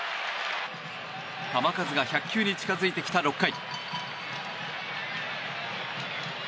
球数が１００球に近づいてきた６回。